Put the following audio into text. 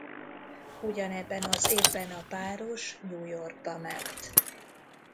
Ugyanebben az évben a páros New Yorkba ment.